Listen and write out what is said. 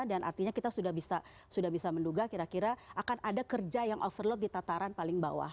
dan artinya kita sudah bisa menduga kira kira akan ada kerja yang overload di tataran paling bawah